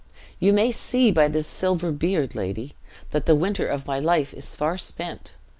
You may see by this silver beard, lady, that the winter of my life is far spent.